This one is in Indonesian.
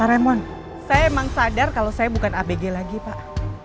pak remon saya emang sadar kalau saya bukan abg lagi pak